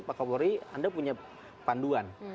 pak kapolri anda punya panduan